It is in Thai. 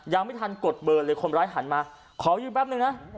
ยังไม่ทันกดเบอร์เลยคนร้ายหันมาขอยืมแป๊บนึงนะ